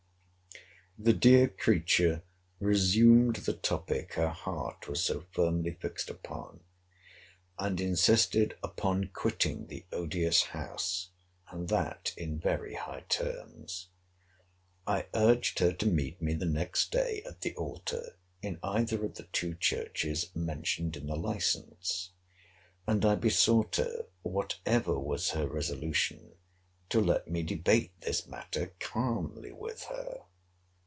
The dear creature resumed the topic her heart was so firmly fixed upon; and insisted upon quitting the odious house, and that in very high terms. I urged her to meet me the next day at the altar in either of the two churches mentioned in the license. And I besought her, whatever was her resolution, to let me debate this matter calmly with her.